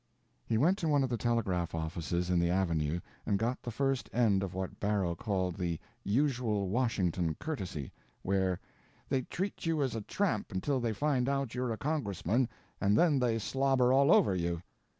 He went to one of the telegraph offices in the avenue and got the first end of what Barrow called the "usual Washington courtesy," where "they treat you as a tramp until they find out you're a congressman, and then they slobber all over you."